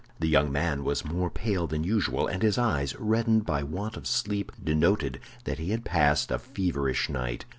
The young man was more pale than usual, and his eyes, reddened by want of sleep, denoted that he had passed a feverish night.